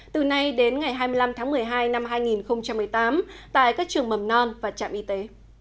từ nay đến ngày hai mươi năm tháng một mươi hai năm hai nghìn một mươi tám tại các trường mầm non và trạm y tế